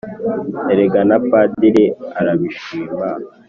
erega na padiri arabishima